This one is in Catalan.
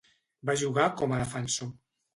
Va jugar com a defensor.